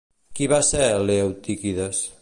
Qui va ser Leotíquides?